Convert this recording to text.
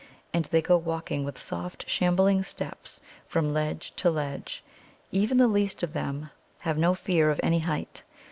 And they go walking with soft, shambling steps from ledge to ledge. Even the least of them have no fear of any height.